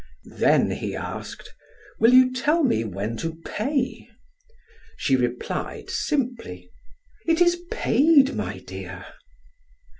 Then he asked: "Will you tell me when to pay?" She replied simply: "It is paid, my dear."